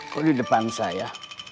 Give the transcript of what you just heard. kok di depan saya